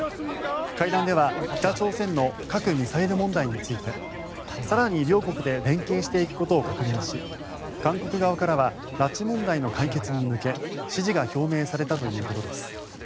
会談では北朝鮮の核・ミサイル問題について更に両国で連携していくことを確認し韓国側からは拉致問題の解決に向け支持が表明されたということです。